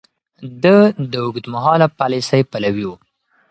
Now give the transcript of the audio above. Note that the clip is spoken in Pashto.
ده د اوږدمهاله پاليسۍ پلوی و.